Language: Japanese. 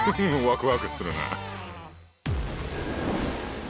ワクワクするな！